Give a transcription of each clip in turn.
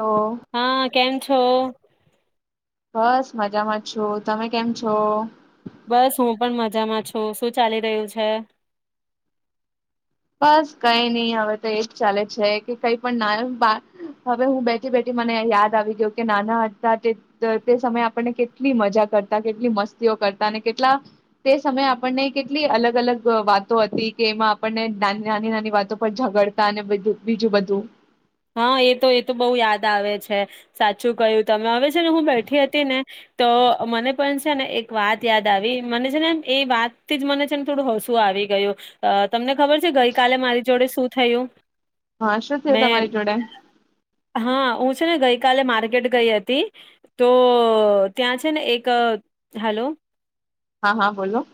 તો હા કેમ છો? બસ મજામાં છું, તમે કેમ છો? બસ હું પણ મજામાં છું શું ચાલી રહ્યું છે? બસ કંઈ ની હવે તો એજ ચાલે છે કે કંઈ પણ ના બા હવે હું બેઠી બેઠી મને યાદ આવી ગ્યુ કે નાના હતા તે તે સમયે આપણને કેટલી મજા કરતા, કેટલી મસ્તીઓ કરતા અને કેટલા તે સમયે આપણને કેટલી અલગ અલગ વાતો અતી કે એમાં આપણને નાની નાની નાની વાતો પર ઝઘડતા અને બીધુ બીજું બધું હા, એ તો એ તો બઉ યાદ આવે છે, સાચું કહ્યુ તમે હવે છે ને હું બેઠી હતી ને તો મને પણ છે ને એક વાત યાદ આવી મને છે ને એ વાતથી જ મને છેને થોડું હસું આવી ગયું અ તમને ખબર છે ગઈ કાલે મારી જોડે શું થયું? હા, શું થયુ મેં તમારી જોડ? હા, હું છેને ગઈકાલે માર્કેટ ગઈ અતી, તો ત્યાં છે ને એક હેલો હા હા બોલો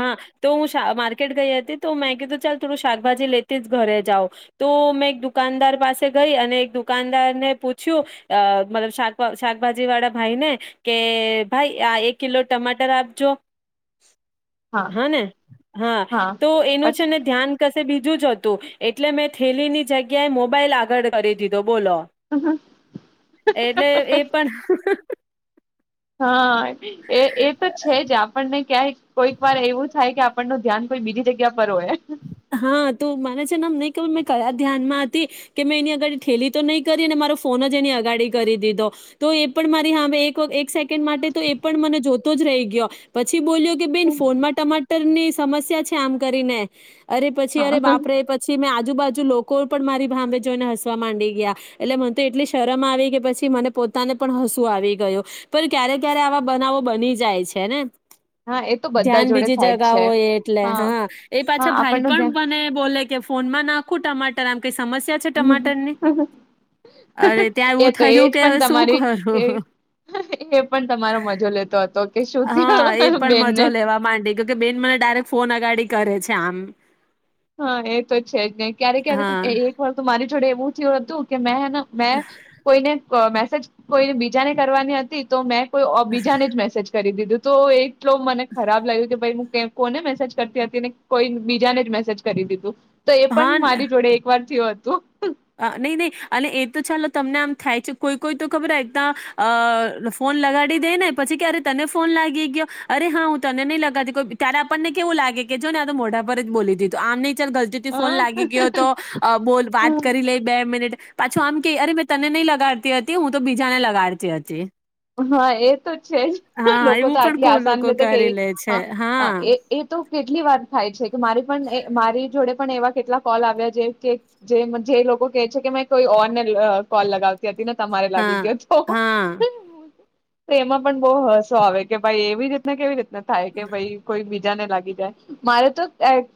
હા, તો હું માર્કેટ ગઈ અતી તો મેં કીધું ચાલ થોડું શાકભાજી લેતી જ ઘરે જાવ, તો મેં એક દુકાનદાર પાસે [unintelligible] ગઈ અને એક દુકાનદારને પૂછ્યું અ મતબ શાક શાકભાજીવાળા ભાઈ ને કે ભાઈ આ એક કિલો ટમાટર આપજો. હા ને, હા તો એનું છે પછી ને ધ્યાન કશે બી જોજતું એટલે મેં થેલીની જગ્યાએ મોબાઈલ આ [unintelligible] કરી દીધો. બોલો એટલે એ પણ હા, એ એ તો છે જ આપણને ક્યાંય કોઈક વાર એવું થાય કે આપણનું ધ્યાન કોઈ બીજી જગ્યા પર હોય હા, તુ મને છેને [unintelligible] તો મેં કયા ધ્યાનમાં અતી કે મેં એની અગાડી ઠેલી તો નહીં કરી અને મારો ફોન જ એની અગાડી કરી દીધો, તો એ પણ મારી હામે એક એક સેકન્ડ માટે તો એ પણ મને જોતો જ રહી ગયો પછી બોલ્યો કે બેન ફોનમાં ટમાટ ટર ની સમસ્યા છે આમ કરીને. [unintelligible] અરે પછી અરે હા બાપરે પછી મેં આ આજુબાજુ લોકો પણ મારી ભામે જોઈને હસવા માંડી ગયા એટલે મને તો એટલી શરમ આવી કે પછી મને પોતાને પણ હસુ આવી ગયુ, પણ ક્યારે ક્યારે આવા બનાવો બની જાય છે ને? હા એ તો બધા ધ્યાન જોડે બીજી થાય જ જગા છે હોય એટલે હા હાં હા પાછા ભાઈ આપણનું પણ ધ્યાન મને બો બોલે કે ફોનમાં નાખું ટમાટર આમ કઈ સમસ્યા છે ટમાટરની અરે ત્યાં એ એવું તો થયું એજ કે પણ હવે શું તમારી એ કરું એ પણ તમારો મજો લેતો અતો. હા, એ પણ મજો લેવા માંડી ગ્યો કે બેન મને ડાયરેક્ટ ફોન અગાડી કરે છે આમ હા, એ તો છે જ ને, ક્યારે ક્યારે તો હા એ એક વાર તો મારી જોડે એવું થ્યુ હતું કે મેં હેન [unintelligible] મેં કોઈને ક મેસ સેજ કોઈને બીજા ને કરવાની અતી તો મેં કોઈ ઓ બીજાને જ મેસેજ કરી દીધું. તો એક એટલો મને ખરાબ લાય્ગુ કે ભાઈ હું તે કોને મેસેજ કરતી હતી ને કોઈ બીજાને જ મેસેજ કરી દીધું. તો એ પણ મારી જોડે એક વાર તે હતું. આ નહી નહી અને એ તો ચાલો તમને આમ થાય છે. કોઈ કોઈ તો ખબર ત અ ફોન લગાડી દે ને પછી કેરે તને ફોન લાગી ગયો અરે હા હું તને નહી લગાતી ત્યારે આપણને કેવું લાગે કે જો ને આ તો મોઢા પર જ બોલી દીધું. આમ નહી ચાલ ગલતીથી ફોન લાગી ગયો તો બોલ હ વાત કરી લઈ બે મિનિટ. પાછું આમ ક અરે મેં તને નહી લગાડતી હતી હું તો બીજા ને લગાડતી હતી. હા, એ તો છે જ હા લોકો એવું તો પણ આટલી કો આસાન લોકો રીતે કરી કેવી લે છે હ હા હ એ તો કેટલી વાર થાય છે. કે મારી પણ એ મારી જોડે પણ એવા કેટલા કોલ આવ્યા જે જે જે લોકો કે છે કે મે કોઈ ઓન કોલ લગાવતા [unintelligible] ને તમારે લાગી હા ગયો તો. હા તો એમાં પણ બહ હસો આવે કે ભાઈ એવી રીતના કેવી રીતના થાય. કે ભાઈ કોઈ બી જાને લાગી જાય મારે તો [unintelligible]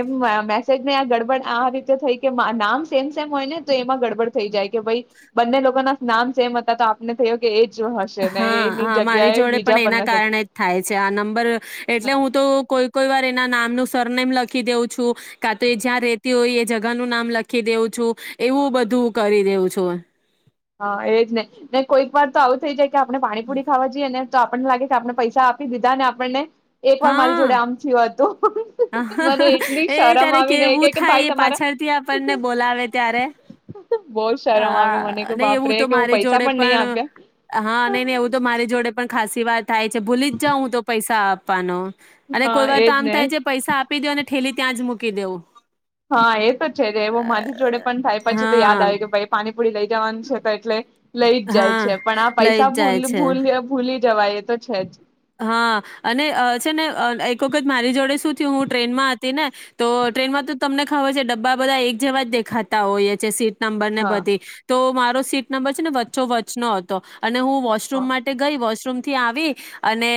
એવું [unintelligible] મે નહી આ ગડબડ આ રીતે થઈ કે નામ સેમ સેમ હોય ને તો એમાં ગડબડ થઈ જાય કે ભઈ, બંને લોકો ના નામ સેમ હતા તો આપને થયો. એ. જ હશે ને હા એની હા મારી જગ્યાએ જોડે બીજા પણ એના પરમેસર કારણે જ થાય છે આ નંબર એટલે હું તો કોઈ કોઈ વાર એના નામ નું સરનેમ લખી દઉં છું. કા તો એ જ્યાં રેતી હોય એ જગાનું નામ લખી દેઉું છું. એવું બધું કરી દેઉું છું. હા, એજ નહ કોઈક વાર તો આવું થઈ જાય કે આપણે પાણી પુડી ખાવા જઈએ ને તો આપણને લાગે કે આપણે પૈસા આપી દીધા ને આપણને એ પણ મારી જોડે આમ થું હતું. મને હા-હા એટલી એ શરમ ત્યારે આવી ને કેવું કે કે થાય ભાઈ એ તમારા પાછળથી આપણને બોલાવે ત્યારે. બહુ શરમ આવે આ મને કે અને એવું બાપરે તો કે હું મારી પૈસા જોડે નહી પણ આપ્યા હા નહી નહી એવું તો મારી જોડે પણ ખાસી વાત થાય છે. ભૂલી જ જાઉ હું તો પૈસા આપ પાનો. અને હા કોઈ વાર તો એજ આમ ને થાય છે આપી દયો ને ઠેલી ત્યાં જ મૂકી દેવું. હા, એ તો છે એવો મારી જોડે પણ થાય પછી તો યાદ હા આવે કે ભાઈ પાની પુડી લઈ જવાનું છે. તો એટલે લઈ જ જાય હા છે. પણ આ લઈ પૈસા જ જાય ભૂલ છે ભૂલ ભૂલી જવાય એ તો છે જ. હા અને છે ને એક વખત મારી જોડે શું થયું હું ટ્રેનમાં હતી ને તો ટ્રેનમાં તો તમને ખબર છે ડબ્બા બધા એક જેવા જ દેખાતા હોઈએ છે સીટ નંબર ને જ હા બધી તો મા સીટ નંબર છે ને વચ્ચો વચનો હતો. અને હું વોશરૂમ હા માટે ગઈ. વોશરૂમ થી આવી અને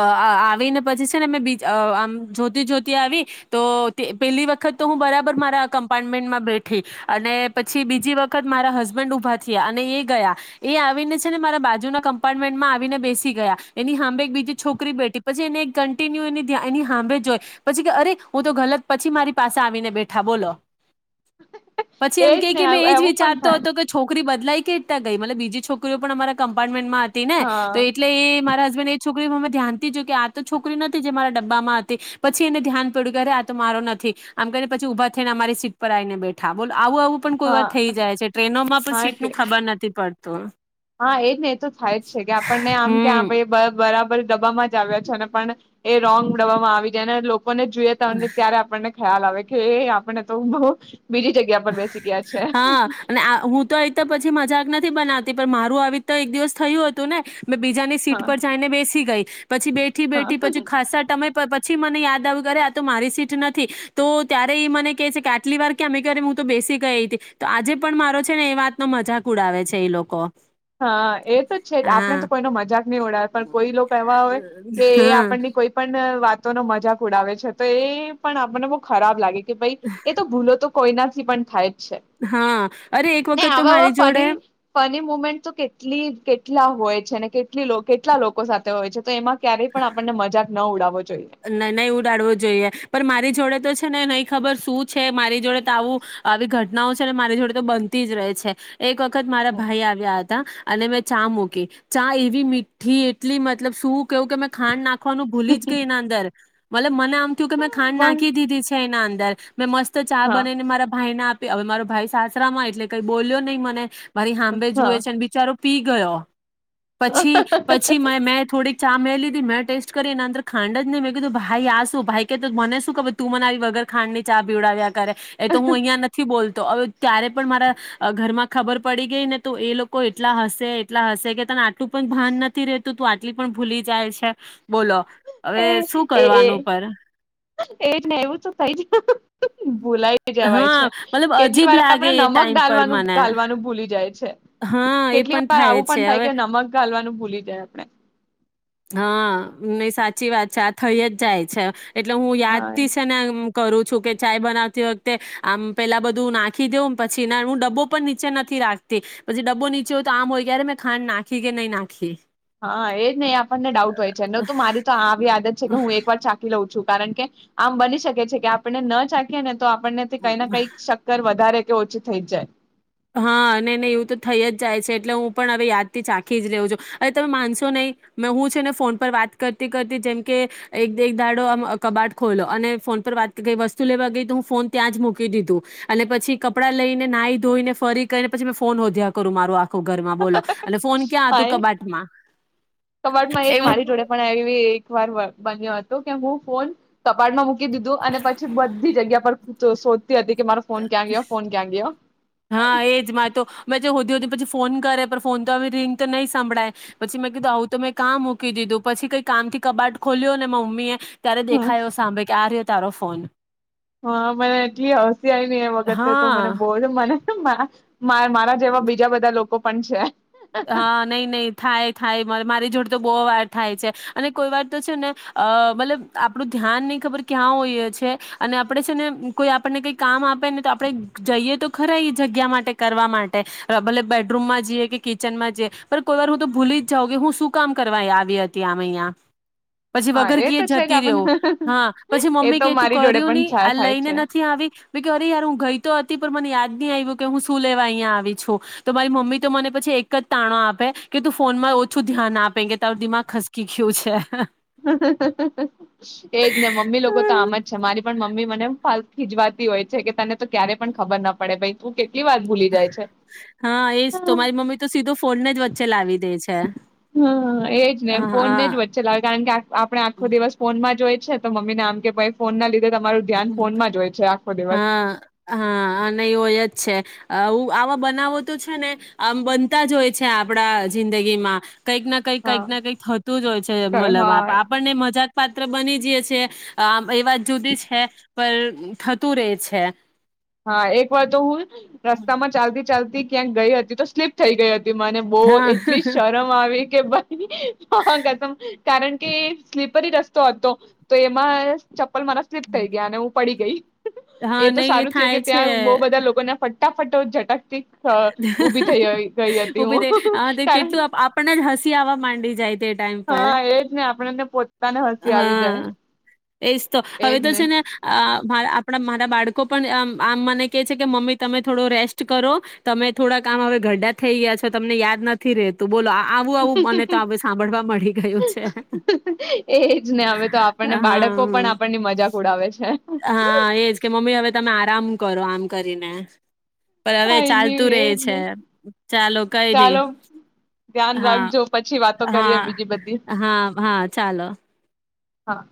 અ આવીને પછી છે ને મે બીજા આમ જોતી જોતી આવી, તો તે પેલી વખત તો હું બરાબર મારા કમ્પાર્ટમેન્ટમાં બેઠી અને પછી બીજી વખત મારા હસબન્ડ ઊભા થયા અને એ ગયા. એ આવીને છે ને મારા બાજુના કમ્પાર્ટમેન્ટમાં આવીને બેસી ગયા. એની સાંભે એક બીજી છોકરી બેઠી પછી એને કન્ટિન્યુ એ એની સાંભે જોય પછી કે અરે હું તો ગલત પછી મારી પાસે આવીને બેઠા બોલો. પછી એમ એજ ક ને કે મેં એજ એવું પણ વિચારતો થાય હતો કે છોકરી બધ લઈ કઈ રીતના ગઈ મતલબ કે બીજી છોકરીઓ પણ અમારા કમ્પાર્ટમેન્ટમાં તી નેતો હા એટલે એ મારા હ્સ છોકરીમાં અમે ધ્યાનથી જો કે આ તો છોકરી નથી જે મારા ડબ્બામાં હતી, પછી એને ધ્યાન પડ્યું અરે આ તો મારો નથી. આમ કરીને પછી ઉભા થઈને મારી સીટ પર આવીઈને બેઠા બોલો આવું આવું પણ કોઈ વાર હા થઈ જાય છે ટ્રેનોમાં પણ હા સીટ કે નું ખબર નથી પડતું. તો હા એજ ને એ તો થાય જ છે કે આપણને આમ કે આ હમ્મ ભાઈ બ બરાબર ડબ્બામાં જ આવ્યા છે અને પણ એ રોંગ ડબવામાં આવી ગયાને લોકો લોકોને જોઈએ તને ત્યારે આપણને ખ્યાલ આવે કે એ આપણે તો હ બહ હા અને આ હું તો આ રીતના પછી મજાક ન બનાવતી પણ મારું આવી રીતના એક દિવસ થયું હતું ને મેં બીજાની સીટ હા પર જઈને બેસી ગઈ પછી બેઠી હા બેઠી પછી ખાસા ટામે પછી મને યાદ આવ્યું કે અરે આ તો મારી સીટ નથી તો ત્યારે એ મને કહે છે કે આટલી વાર કેમે કરી? હું તો બેસી ગઈ હતી, તો આજે પણ મારો છે ને એ વાતનો મજાક ઉડાવે છે એ લોકો. હા એ તો છે જ. આપડણે હા તો કોઈનો મજાક નહિ ઉડાવ્યો. પણ કોઈ લોકો એવા હોય કે એ આપણને હા કોઈ પણ વાત વાતો નો મજાક ઉડાવે છે તો એ પણ આપણને બહુ ખરાબ લાગે. કે ભાઈ એ તો ભૂલો તો કોઈનાથી પણ થાય છે હા અરે એક ને વખત તો આવા આવા મારી જોડે ફની ફની મુમેન્ટ તો કેટલી કેટલા હોય છેને કેટલી કેટલા લોકો સાથે હોય છે તો એમાં ક્યારેય પણ આપણને મજા નો ઉડાવો ન નહી ઉડાડવો જોઈએ. પણ મારી જોડે તો છે ને નહી ખબર શું છે મારી જોડે તો આવું, આવી ઘટનાઓ છે ને મારી જોડે તો બનતી જ રહે છે. એક વખત મારા હમ. ભાઈ આવ્યા હતા. અને મેં ચા મૂકી ચા એવી મીઠી એટલી મતલબ શું કવું કે મેં ખાંન નાખવાનું ભૂલી જ ગઈ એના મતલબ મને થીયું કે ખાડ હા નાખી દીધી છે એના અંદર. મેં મસ્ત ચા બનીને મારા ભાઈને આપ તે હવે મારો ભાઈ સાસરામાં એટલે કઈ બોલ્યો નહી મને. મારી હામ્બે હા જુએ હા. છે ને બિચારું પી ગયો. પછી પછી મે મેં થોડીક ચા મે લીદિ મેં ટેસ્ટ કરી એના અંદર ખાડ ને મેં કીધું ભાઈ આ શું ભાઈ કે તુ મને શું ખબર કે તું મને આવી વગર ખાંડ ની ચા પીવડાવ્યા. કરે એ તો હું અહિયાં નથી બોલ તો હવે ત્યારે પણ મારા અ ઘરમાં ખબર પડી ગઈ ને તો એ લોકો એટલા હસે એટલા હસે કે તને આટલું પણ ભાન નથી રહેતું તું આટલી પણ ભૂલી જાય છે બોલો. હવે શું એ એ કરવાનું પર એજ ને એવું તો થઈ જ ભૂલાય જવાય હા છે, મતલબ કેટલી અજીબ વાર લાગે આપણે એ નમક ટાઈમ પર ડાલવાનું મને ગાલવાનું ભૂલી જાય છે, હા એ કેટલી પણ વાર આવું પણ છે થાય હવે કે નમક ગાલવાનું ભૂલી જાય આપણે. હા નહી સાચી વાત છે આ થઈ જ જાય છે. એટલે હું યાદ હા છે ને કરું છું કે ચાય બનાવતી વખતે આમ પેલા બધું નાખી દેવ પછી હું ડબ્બો પણ નીચે નથી રાખતી પછી ડબ્બો નીચે હો તો આમ હોય ક્યારે મેં ખાંડ નાખી કે નહી નાખી. હા એજ ને આપણને ડાઉટ હોય છે ને તુ મારી આવી આદત છે કે હું એક વાર ચાકી લઉં છું. કારણ કે, આમ બની શકે છે કે આપને ન ચાખીએને તો આપણનેથી કંઈ ન કઈક શક્કર વધારે કે ઓછી થઈ જ જાય. હા નય નય એવું તો થઈ જ જાય છે એટલે હું પણ હવે યાદથી ચાખી જ રેહુ છું અરે તમે માનશો નહીં મેં હું છે ને ફોન પર વાત કરતી કરતી જેમ કે એક એક દાડો આમ કબાટ ખોલો અને ફોન પર વાત ગઈ વસ્તુ લેવા ગઈ તો હું ફોન ત્યાં જ મૂકી દીધું અને પછી કપડાં લઈને નાહી ધોઈને ફરી કરીને પછ મેં ફોનધ્યા કરું મારુ આ ઘરમાં બોલો, અને ફોન ક્યાં હતું હાય કબાટમાં, કબાટમાં એ જ એવું મારી જોડે પણ એવી એક વાર બન બન્યો હતો કે હું ફોન તપાટમાં મૂકી દીધું અને પછી બધી જગ્યા પર ચ શોધ હતી કે મારો ફોન ક્યાં ગયો ફોન ક્યાં ગયો. હા એજ મેં તો મેં જે હોદી હોદી ને પછી ફોન કરે પણ ફોન તો રિંગ તો નહી સાંભળાય પછી મેં કીધું આવું તો મેં કામ મૂકી દીધું પછી કઈ કામ થી કબાટ ખોલ્યો ને માર મમ્મી એ ત્યારે દેખાાયો સાંભે કે રયો. તારો ફોન હા મને એટલી હસી આવી એ વખતે તો હા. મને બોજ મને. તો મા મારા જેવા બીજા બધા લોકો પણ છે હા નઈ નઈ થાય થાય પણ મારી જોડ તો બહુ વાર થાય છે અને કોઈ વાર તો છે ને અ મતલબ આપડું ધ્યાન નઈ ખબર ક્યાં હોઈ છે અને આપડે છે ને કોઈ આપણને કઈ કામ આપેને તો આપણે જઈએ તો ખરા ઈ જગ્યા માટે કરવા માટે ભલે બેડરૂમમાં જઈએ કે કિચનમાં જે પણ કોઈ વાર હું તો ભૂલી જ જાઉ કે હું શું કામ કરવા આવી હતી આમાં અહીંયા પછી હા વગર એ તો કીયે છે કે જતી આપણ રહવું હા પછી એ મમ્મી તો કે તું મારી જોડે કર્યું પણ નહી આ થાય લઈને છે નથી આવી અરે યાર હું ગઈ તો હતી પણ મને યાદ નહી આવ્યું કે હું શું લેવા અહીં આવી છું તો મારી મમ્મી તો મને પછી એક જ તાણો આપે કે તું ફોન માં ઓછું ધ્યાન આપે કે તારું દિમાગ ખસકી ગયું છે. [unintelligible] એજ ને મમ્મી લોકો તો આમ જ છે મારી પણ મમ્મી મને [unintelligible] ખીજવાતી હોય છે કે તને તો ક્યારેય પણ ખબર ના પડે ભાઈ તું વાર ભૂલી જાય હા એજ છે તો મારી મમ્મી તો સીધો ફોનને જ વચ્ચે લાવી દે છે હા કેમકે આપણે આખો દિવસ ફોન માં જોય છે તો મમ્મીને આમ કે ભાઈ ફોનના લીધે તમારું ધ્યાન ફોનમાં જ હોય છે. દિવસ હા હા અને હોય જ આવા બનાવો તો છે ને આમ બનતા જ હોય છે. આપડા જિંદગીમાં કંઈક ના કંઈક હા કંઈક ના કંઈક થતું જ હોય છે મલબ હા આપણને મજા પાત્ર બની જયે છે. એ વાત જુદી છે. [unintelligible] પર થત તુ રે છે. હા એક વાર તો હું રસ્તામાં ચાલતી ચાલતી ક્યાંક ગઈ હતી તો સ્લીપ થઈ ગઈ હતી. મને બો હા એટલી શરમ આવી કેમ ભય માં કસમ કારણ કે સ્લીપરી રસ્તો હતો તો એમાં ચપ્પલ મારા સ્લીપ થઈ ગયા અને હું પડી ગઈ. હા નહી એ જો થાય કે છે ત્યાં બહુ બધા લોકોને ફટ ફટાફટો ઝટકતી ઉબી થઈ હું હા તે કારણ કેટલું આપણ નેજ હસી આવવા માંડી જાય તે ટાઈમ પર. હા એજ ને આપણને પોતાને હસી આવી જાય હા, એજ તો હવે તો છે ને આપડા માટે બાળકો પણ આમ, આમ મને કે છે કે મમ્મી તમે થોડો રેસ્ટ કરો. તમે થોડા કામ, હવે ગરઢા થઈ ગયા છો, તમને યાદ નથી રહેતું. મળી ગયું છે હા. એજને હવે તો આપણને બાળકો પણ આપણની મજાક ઉડાવે છે. હા એજ કે મમ્મી હવે તમે આરામ કરો આમ કરીને. પણ હવે કઈ ચાલ તું નહી રેહ એજ છે. ને ચાલો, કઈની. ચાલો ધ્યાન હા, રાખજો પછી વાતો કરીએ હા, બીજી બધી હા, હા ચાલો. હા.